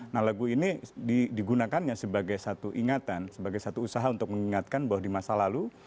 nah lagu ini digunakannya sebagai satu ingatan sebagai satu usaha untuk mengingatkan bahwa di masa lalu